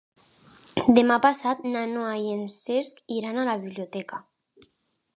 Demà passat na Noa i en Cesc iran a la biblioteca.